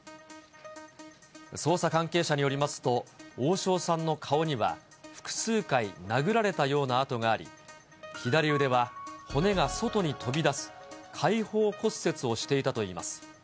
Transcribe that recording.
捜査関係者によりますと、大塩さんの顔には、複数回殴られたような痕があり、左腕は骨が外に飛び出す開放骨折をしていたといいます。